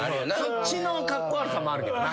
そっちのカッコ悪さもある。